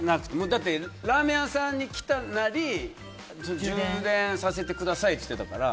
だってラーメン屋さんに来たなり充電させてくださいって言ってたから。